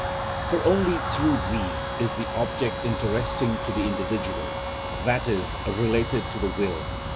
For only through these is the object interesting to the individual, i.e., related to the will.